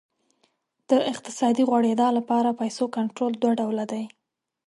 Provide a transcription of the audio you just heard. د اقتصادي غوړېدا لپاره پیسو کنټرول دوه ډوله دی.